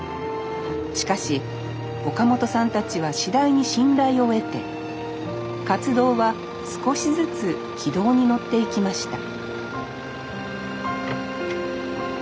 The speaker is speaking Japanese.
しかし岡本さんたちは次第に信頼を得て活動は少しずつ軌道に乗っていきました